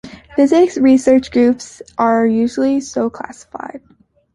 Physics research groups are usually so classified.